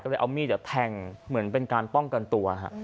ก็เลยเอามีดแทงเหมือนเป็นการป้องกันตัว